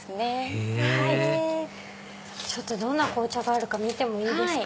へぇどんな紅茶があるか見てもいいですか？